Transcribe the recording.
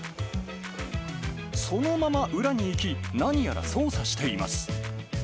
そのまま裏に行き、何やら操作しています。